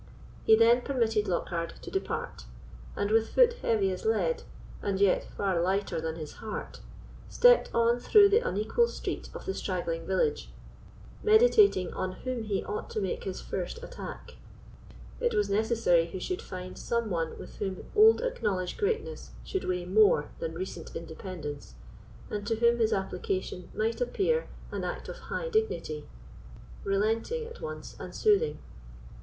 He then permitted Lockhard to depart; and with foot heavy as lead, and yet far lighter than his heart, stepped on through the unequal street of the straggling village, meditating on whom he ought to make his first attack. It was necessary he should find some one with whom old acknowledged greatness should weigh more than recent independence, and to whom his application might appear an act of high dignity, relenting at once and soothing.